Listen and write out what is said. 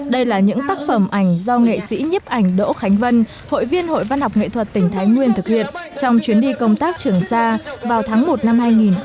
đây là những tác phẩm ảnh do nghệ sĩ nhấp ảnh đỗ khánh vân hội viên hội văn học nghệ thuật tỉnh thái nguyên thực hiện trong chuyến đi công tác trường sa vào tháng một năm hai nghìn một mươi tám